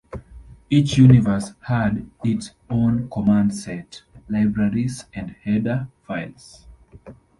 Each universe had its own command set, libraries and header files.